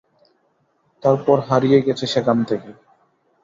তারপর হারিয়ে গেছে সেখান থেকে!